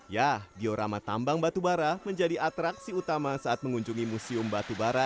ya diorama tambang batubara menjadi atraksi utama saat mengunjungi museum batubara